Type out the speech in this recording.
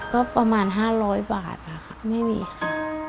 ก็ประมาณ๕๐๐บาทค่ะไม่มีค่ะ